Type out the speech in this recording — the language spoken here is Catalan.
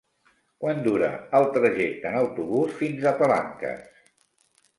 Quant dura el trajecte en autobús fins a Palanques?